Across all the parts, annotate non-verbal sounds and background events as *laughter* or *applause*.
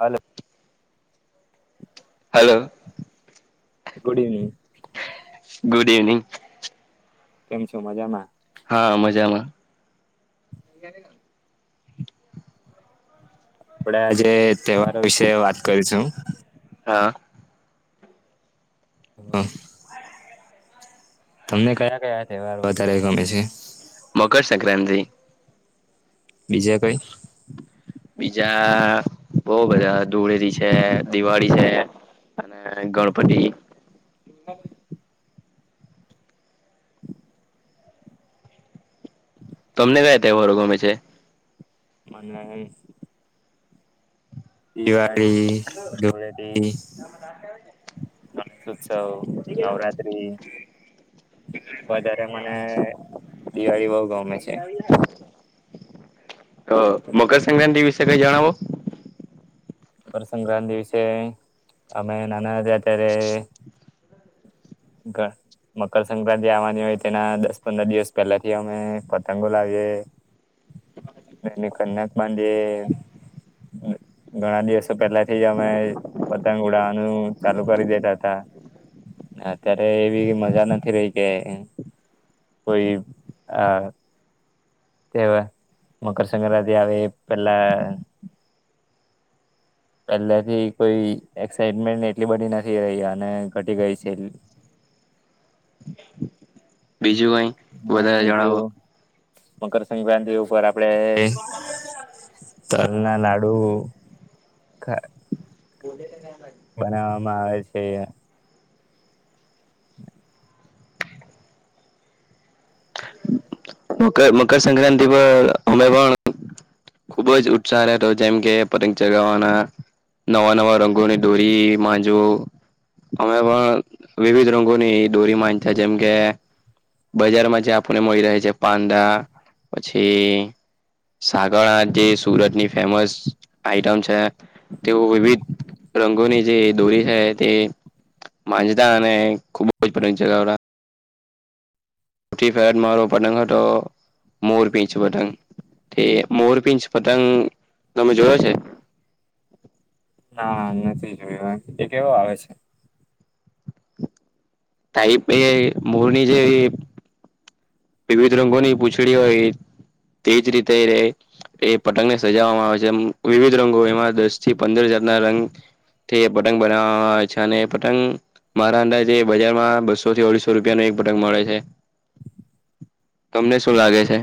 હલે. Hello. Good evening. Good evening. કેમ છો મજામાં. હા મજામાં. આપડે આ જેે તહેવારો વિશે વાત કરીશું. હા. હા. તમને કયા કયા તહેવાર વધારે ગમે છે. મકર સંક્રાંતિ. બીજા કઈ. બીજા બહ બધા ધુળેરી છે દિવાળી છે. અને ગણપતિ. તમને ક્યાયા તવારો ગમે છે. મ. દિવાળી ધુળડી. ગણેશ ઉત્સવ, નવરાત્રી, વધારે મને દિવાળી બઉ ગમે છે. તો મકરસક્રાંતિ વિશે કઈ જણાવો, મકરસક્રાંતિ વિશે અમે નાના તા અત્યારે, હ, ઘા, મકરસક્રાંતિ આવવાની હોય તેના દસ પંદર દિવસ પહેલાથી અમે પતંગો લાવીએ. હ, ના કન્યા કમાંજે, ઘણા દિવસો પહેલા થી જ અમે પતંગ ઉડાવવાનું ચાલુ કરી દેતા હતા. અત્યારે એવી મજા નથી રહી કે કોઈ આ, તે મકરસક્રાંતિ આવે પહેલા, પહેલાથી કોઈ એક્સાઇટમેન્ટ એટલી બધી નથી રહી અને ઘટી ગઈ છે. બીજું કઈ, હા વધારે જણાવો બીજું મકરસક્રાંતિ ઉપર આપડે. તલના લાડુ, બોલે તે ધ્યાન રાખ, બનાવવામાં આવે છે. હ. મકર મકરસક્રાંતિ પર અમે પણ, ખુબ જ ઉત્સાહ રહતો જેમ કે પતંગ ચગાવવાના, નવા નવા રંગોની ડોરી માંજો, અમે પણ વિવિધ રંગોની દોરી માંજ્યતા જેમ કે, બજારમાં જે આપણને મળી રહે છે પાંદા પછી, સાગર આ જે સુરતની ફેમસ આઈટમ છે. તેઓ વિવિધ રંગોની જે દોરી હે તે, માંજતાને ખુબ જજ પતંગ ચગાવતા, પૂફાયડ મારો પતંગ હતો, મોર પીછ પતંગ, તે મોરપિંચ પતંગ તમે જોયો છે. ના નથી જોય એ કેવો આવે છે. તાઈપ એ મોરની જે, વિવિધ રંગોની પૂંછડી હોય તેજ રીતે રે, એ પતંગને સજાવવામાં આવે છે વિવિધ રંગો એમાં દસ થી પંદર જાત ના રંગ, તે પતંગ બનાવામા આવે છે ને પતંગ, મારા અંદાજે બજારમાં બસો થી ઓઢીસો રૂપિયા નું એક પતંગ મળે છે. તમને શું લાગે છે.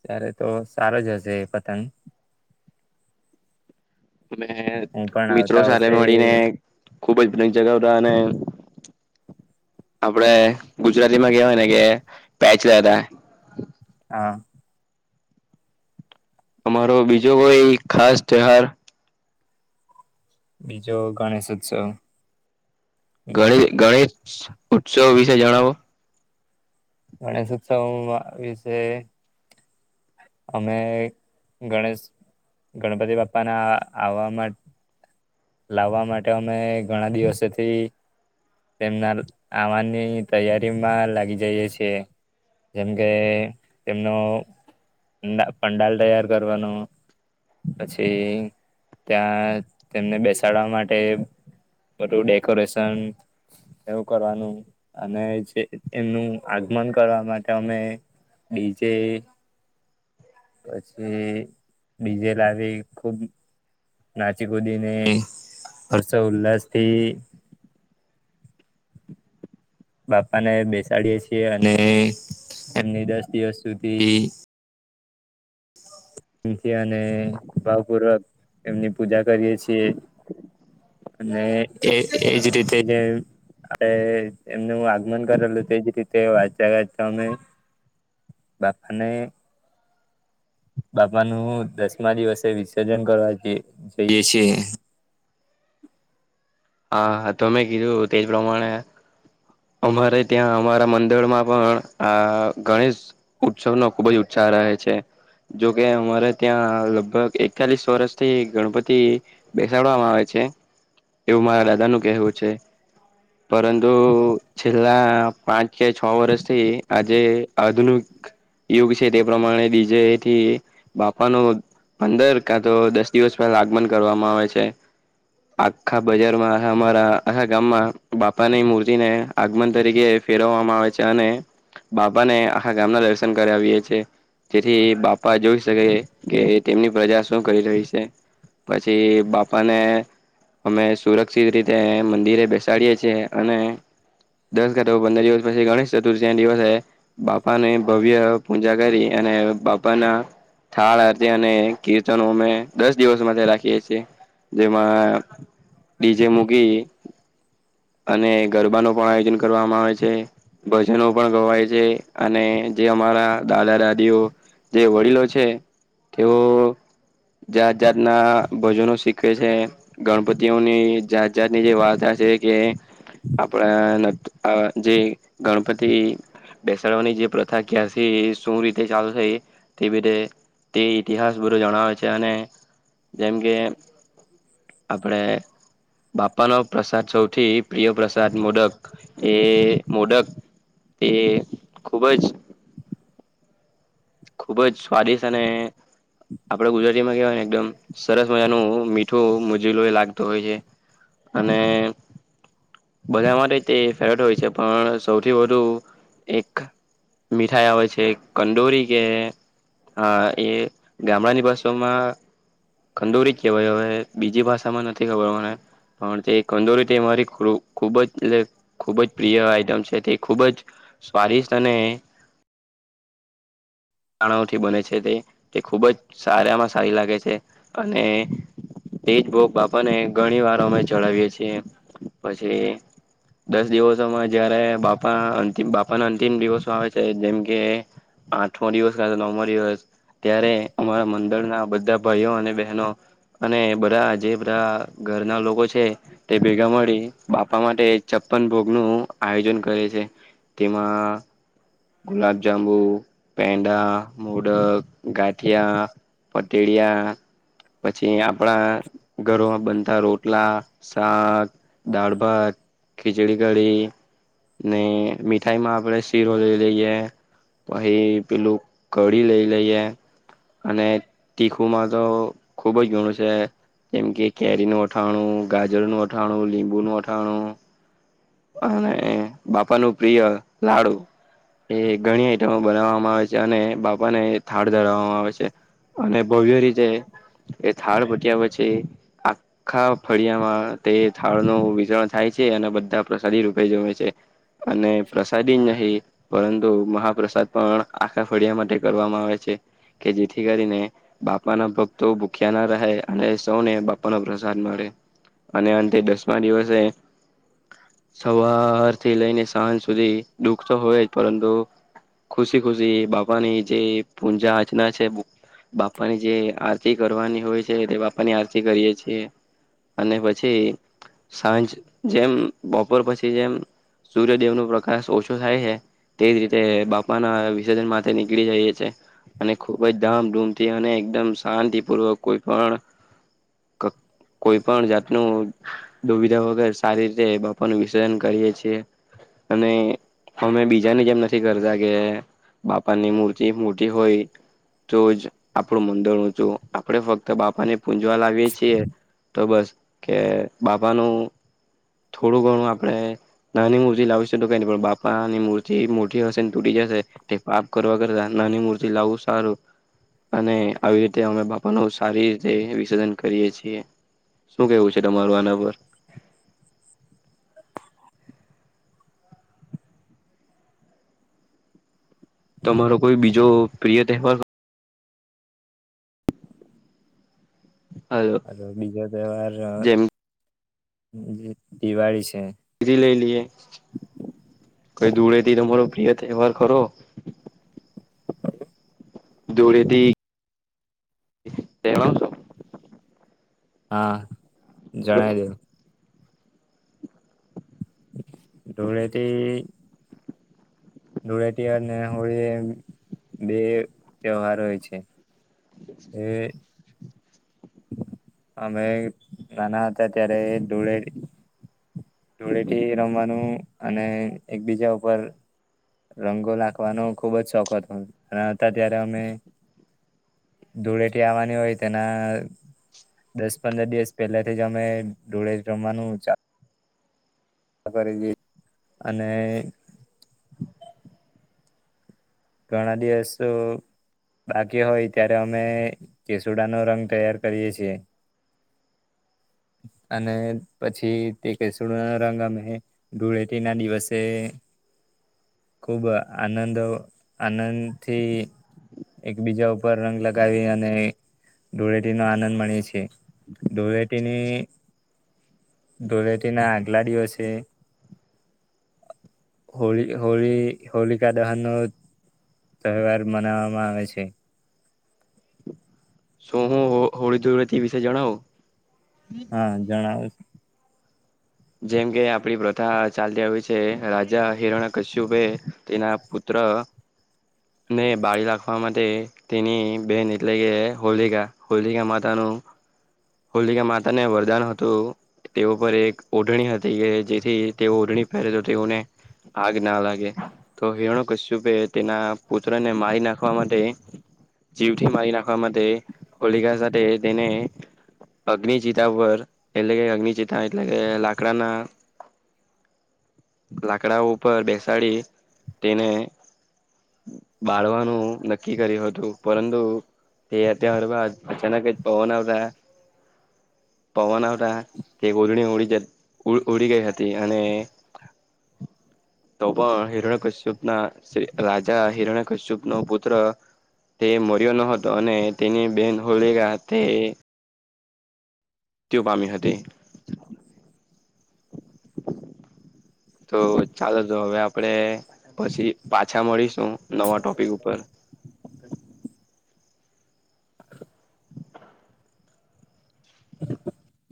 ત્યારે તો સારો જ હશે એ પતંગ, મે હું પણ મિત્રો આવતા સાથે વર્ષે મળીને ખુબ જ પતંગ જગાવતા અને, આપડે ગુજરાતી માં કેવાય ને કે પેચ લડાતા, હા. અમારો બીજો કોઈ ખાસ ત્યોહાર, બીજો ગણેશ ઉત્સવ, ગણ ગણેશ ઉત્સવ વિશે જણાવો. ગણેશ ઉત્સવ વિશે, અમે ગણેશ ગણપતિ બાપ્પાના આવવા માટ લાવવા માટે અમે ઘણા દિવસેથી તેમના આવવાની તૈયારી માં લાગી જઈએ છે. જેમ કે તેમનો ના પંડાલ તૈયાર કરવાનું, પછી ત્યાં તેમને બેસાડવા માટે બધું ડેકોરેશન એવું કરવાનું, અને જે એમનું આગમન કરવા માટે અમે ડી જે પછી ડી જે લાવી ખુબ નાચી કુદીને, હર્ષોઉલ્લાસ થી બાપા ને બેસાડીએે છીએ, અને એમની દસ દિવસ સુધી *inaudible* *unintelligible* અને ભાવપૂર્વક એમની પૂજા કરીએ છીએ. અને એ એજ રીતે જે આપડે એમને આગમન કરેલું તેજ રીતે *unintelligible* બાપાને બાપા નું દસમા દિવસે વિસર્જન કરવા જે જઈએ છીએ. હા, હા તમે કીધું તે જ પ્રમાણે અમારે ત્યાં અમારા મંદિર માં પણ આ ગણેશ ઉત્સવ નો ખુબ જ ઉત્સાહ રહે છે. જોકે અમારે ત્યાં લગભગ એકતાલીસ વર્ષથી ગણપતિ બેસાડવામાં આવે છે, એવું મારા દાદા નું કહેવું છે. પરંતુ છેલ્લા પાંચ કે છ વર્ષથી આજે આધુનુક યુગ છે, તે પ્રમાણે બીજેથી બાપાનો પંદર કા તો દસ દિવસ પહેલા આગમન કરવામાં આવે છે. આખા બજારમાં હે અમારા આા ગામમાં બાપાની મૂર્તિ ને આગમન તરીકે ફેરવવામાં આવે છે, અને બાપાને આખા ગામના દર્શન કરાવીએ છીએ. તેથી બાપા જોઈ શકે કે તેમની પ્રજા શું કરી રહી સે. પછી બાપાને અમે સુરક્ષિત રીતે મંદિરે બેસાડીએ છીએ અને દસ કા તો પંદર દિવસ પછી ગણેશ ચતુર્થી દિવસે બાપાને ભવ્ય પૂજા કરી, અને બાપાના થાળ, આરતી અને કીર્તનો અમે દસ દિવસ માટે રાખીએ છીએ. જેમાં ડી જે મૂકી, અને ગરબાનો પણ આયોજન કરવામાં આવે છે, ભજનો પણ ગવાય છે, અને જે અમારા દાદા, દાદીઓ જે વડીલો છે તેઓ જાત-જાતના ભોજનો શીખવે છે. ગણપતિઓની જાત-જાતની જે વાર્તા છે કે પણ *unintelligible* આ જે ગણપતિ બેસાડવાની જે પ્રથા ક્યાંથી શું રીતે ચાલશે તેવ રીતે તે ઇતિહાસ બધું જણાવે છે, અને જેમ કે આપણેે બાપાનો પ્રસાદ સૌથી પ્રિય પ્રસ સાદ મોદક, એ મોદક, એ ખૂબ જ ખુબ જ સ્વાદિષ્ટ અને આપડું ગુજરાતીમાં કહેવાય ને એકદમ સરસ મજાનું મીઠું મુજુલો એ લાગતો હોય છે. અને બધા માટે તે ફેવરેટ હોય છે, પણ સૌથી વધુ એક મીઠાઈ આવે છે કંદોરી કે, હા એ ગામડાની ભાષોમાં ખંદોરી કહેવાય, હવે બીજી ભાષામાં નથી ખબર મને. પણ તે કંદોરી તે મારી ખુ ખુબ જ તે ખૂબ જ પ્રિય આઈટમ છે, તે ખૂબ જ સ્વાદિષ્ટ અને દાણાઓથી બને છે તે, તે ખુબ જ સારામાં સારી લાગે છે. અને તેજ ભોગ બાપાને ઘણી વાર અમે ચડાવીએ છીએ. પછી દસ દિવસોમાં જયારે બાપા અંતિમ બાપાના અંતિમ દિવસો આવે છે જેમ કે આઠમો દિવસ કા નવમો દિવસ ત્યારે અમારા મંદરના બધા ભાઈઓ અને બહેનો અને બધા જે બધા ઘરના લોકો છે. તે ભેગા મળી બાપા માટે છપ્પન ભોગ નું આયોજન કરે છે. તેમાં ગુલાબ જાંબુ, પેંડા, મોડક, ગાઠિયા, પટેરીયા પછી આપણા ઘરોમાં બનતા રોટલા, શાક, દાળભાત, ખીચડી, કડી ને મીઠાઈ માં આપણેે શીરો લઈ લઈએ પહી પેલું કડી લઈ લઈએ અને કુમાં તો ખુબ જ ઘણું છે. જેમ કે કેરી નું અઠાણું, ગાજરનું અથાણું, લીંબુ નું અઠાણું, અને બાપા નું પ્રિય લાડુ એ ઘણી આઈટમો બનાવવામાં આવે છે, અને બાપાને થાળ ધરાવવામાં આવે છે, અને ભવ્ય રીતે એ થાળ પટિયા પછી આ આખા ફળિયામાં તે થાળ ન વિચરણ થાય છે અને બધા પ્રસાદી રૂપે જમે છે. અને પ્રસાદી નહીં પરંતુ મહાપ્રસાદ પણ આખા ફળિયા માટે કરવામાં આવે છે કે જેથી કરીને બાપા ના ભક્તો ભૂખ્યા ના રહે અને સૌને બાપાનો પ્રસાદ મળે અને અંતે દસમા દિવસે સવાર થી લઈને સાંજ સુધી દુઃખ તો હોય જ પરંતુ ખુશી ખુશી બાપાની જે પૂજા અર્ચના છે, પા ની જે આરતી કરવાની હોય છે તે બાપા ની આરતી કરીએે છીએ. અને પછી સાંજ જેમ બપોર પછી જેમ સૂર્યદેવ નો પ્રકાશ ઓછો થાય છે. તેજ રીતે બાપાના વિસર્જન માટે નીકળી જઈએ છે અને ખુબ જ ધામધૂમ થી અને એકદમ શાંતિપૂર્વક કોઈ પણ ક કોઈ પણ જાતનું દુવિધા વગર સારી રીતે બાપાનું વિસર્જન કરીએે છીએ. અને અમે બીજાને જેમ નથી કરતા કે બાપાની મૂર્તિ મોટી હોય તો જ આપણું મંદર હું છું આપડે ફક્ત બાપાની પૂજવા લાવીએ છીએ તો બસ કે બાપાનું થોડું ઘણું આપણે નાની મૂર્તિ લાવીશે તો કઈ ની પણ બાપાની મૂર્તિ મોટી હશે ને તૂટી જશે તે પાપ કરવા કરતા નાની મૂર્તિ લાવું સારું અને આવી રીતે અમે બાપા નું સારી રીતે વિસર્જન કરીએે છીએ. શું કેહેવું છે તમારું આના પર? તમારો કોઈ બીજો પ્રિય તહેવાર હલો હ બીજો તહેવાર જેમ દી દિવાળી છે. લઈ લઈએ કઈ ધૂળેટી તમારો પ્રિય તહેવાર ખરો? ધુળેટી તે હું હા બોલો ને જણાવી દો ધુળેટી ધૂળેટી અને હોળી એ બે તહેવાર હોય છે. એ અમે નાના હતા ત્યારે ધુળે ધૂળેટી રમવાનું અને એકબીજા ઉપર રંગો લાખવાનો ખુબ જ શોખ હતો અ હતા ત્યારે અમે ધૂળેટી આવવાની હોય તેના દસ પંદર દિવસ પહેલા થી જ અમે ધુળેટી રમવાનું ચા કરી અને ઘણા દિવસ બાકી હોય ત્યારે અમે કેસુડા નો રંગ તૈયાર કરીએ છીએ. *inaudible* અને પછી તે કેસુડ રંગમે ધૂળેટી ના દિવસે ખુબ આનંદ આનંદથી એકબીજા ઉપર રંગ લગાવી અને ધૂળેટી નો આનંદ મળે છે. દોળટીની ધોળેટી ના આગલાડીવસે હોળી હોળી હોલી કા દહનુ તહેવાર મનાવામાં આવે છે. શું હું હોળી દુળતી વિશે જણાવ હા જણાવ જેમ કે આપડી પ્રથા ચાલતી આવી છે, રાજા હિરોણા કશ્યુપે તેના પુત્ર ને બાળી રાખવા માટે તેની બેન એટલે કે હોલિકા હોલિકા માતાનુ હોલિકા માતાને વરદાન હતું તેઓ પર એક ઓઢણી હતી ગ જેથી તેઓ ઓઢણી પહેરે તો તેઓને આગ ના લાગે. તો હેરણો કશ્યુપે તેના પુત્ર ને મારી નાખવા માટે જીવઠી માારી નાખવા માંટે હોલિકા સાતે તેને અગ્નિ ચિતા પર એટલે કે અગ્નિ ચિતા એટલે કે લાકડાના લાકડા ઉપર બેસાડી તેને બાળવાનું નક્કી કર્યું હતુ પરંત એતી આં રપા પચના ક પોવા આપલે પવન આવતા તે ઓડણી ઉડી જ ઉ ઉડી ગઈ હતી અને તો પણ હિરણ કશ્યુપ ના રાજા હિરણ કશ્યુપ નો પુત્ર તે મર્યો ન હતો અને તેની બેન હોળીગથે. તેઓ પામીહ હતી. તો ચાલો જો હવે આપણેે પછી પાછા મળીશું નવા ટોપિક ઉપર